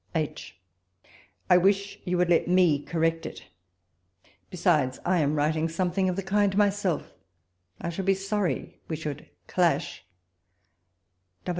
H. I wish you would let me correct it ; besides, I am writing something of the kind myself ; I should be sorry we should cla.'^h.